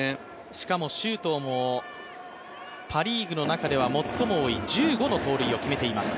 しかも周東もリーグの中では最も多い１５の盗塁を決めています。